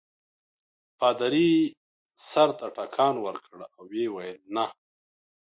پادري سر ته ټکان ورکړ او ویې ویل نه.